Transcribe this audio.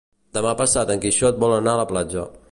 Demà passat en Quixot vol anar a la platja.